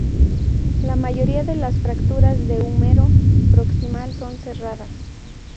La mayoría de las fracturas de húmero proximal son cerradas.